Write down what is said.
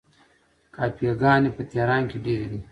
کافې ګانې په تهران کې ډیرې دي.